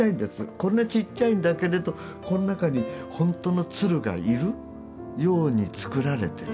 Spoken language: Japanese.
こんなちっちゃいんだけれどこの中にほんとの鶴がいるように作られてる。